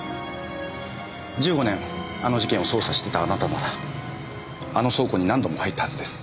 １５年あの事件を捜査してたあなたならあの倉庫に何度も入ったはずです。